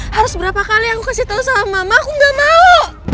harus berapa kali aku kasih tau sama mama aku gak mau